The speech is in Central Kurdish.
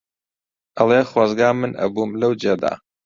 ئەڵێ خۆزگا من ئەبووم لەو جێدا